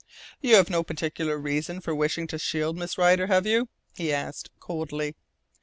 "You have no particular reason for wishing to shield Miss Rider, have you?" he asked coldly.